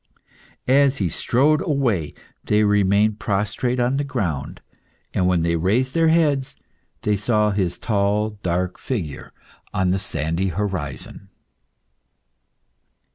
As he strode away, they remained prostrate on the ground, and when they raised their heads, they saw his tall dark figure on the sandy horizon.